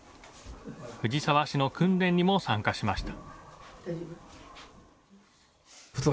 藤沢市の訓練にも参加しました。